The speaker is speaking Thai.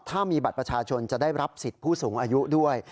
ถ้ามีบัตรประชาชนจะได้รับสิทธิ์ผู้สูงอายุด้วย